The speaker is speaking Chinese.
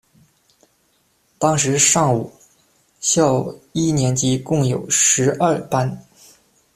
当时上午校一年级共有十二班。